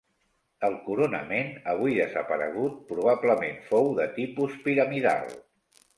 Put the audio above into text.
El coronament, avui desaparegut, probablement fou de tipus piramidal.